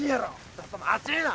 ちょっと待ちぃな！